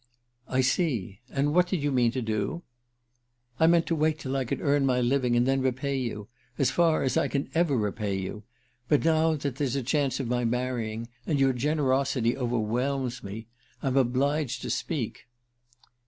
"I see. And what did you mean to do?" "I meant to wait till I could earn my living, and then repay you ... as far as I can ever repay you... But now that there's a chance of my marrying ... and your generosity overwhelms me ... I'm obliged to speak."